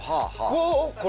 これ。